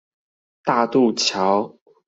大度橋